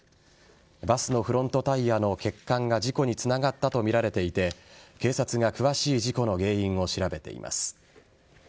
バスのフロントタイヤの欠陥が事故につながったとみられていて警察が詳しい事故の原因を調べています。